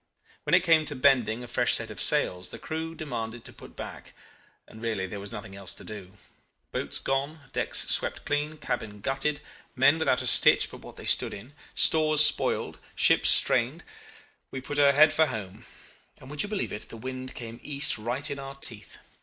When it came to bending a fresh set of sails the crew demanded to put back and really there was nothing else to do. Boats gone, decks swept clean, cabin gutted, men without a stitch but what they stood in, stores spoiled, ship strained. We put her head for home, and would you believe it? The wind came east right in our teeth.